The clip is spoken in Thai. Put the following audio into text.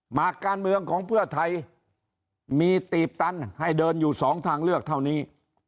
หมากการเมืองของเพื่อไทยมีตีบตันให้เดินอยู่สองทางเลือกเท่านี้